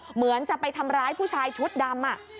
เหมือนจะไปทำร้ายผู้ชายชุดดำ